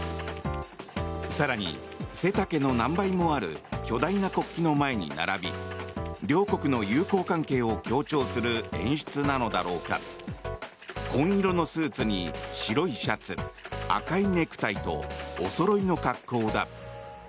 更に、背丈の何倍もある巨大な国旗の前に並び両国の友好関係を強調する演出なのだろうか紺色のスーツに白いシャツ赤いネクタイとおそろいの格好だ。